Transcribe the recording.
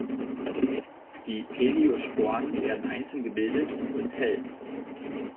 Die Teliosporen werden einzeln gebildet und sind hell.